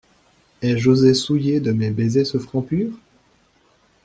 Ai-je osé souiller de mes baisers ce front pur?